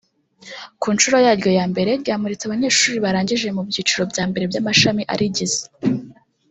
ku nshuro yaryo ya mbere ryamuritse abanyeshuri barangije mu byiciro bya mbere by’amashami arigize